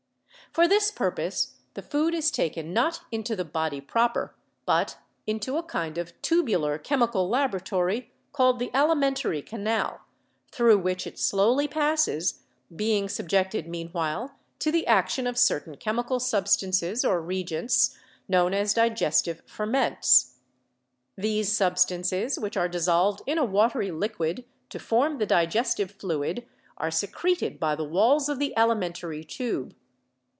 For this purpose the food is taken not into the body proper, but into a kind of tubular chemical laboratory; called the alimentary canal, through which it slowly passes, being subjected meanwhile to the action of certain chemi cal substances or reagents, known as digestive ferments. These substances, which are dissolved in a watery liquid to form the digestive fluid, are secreted by the walls of the alimentary tube.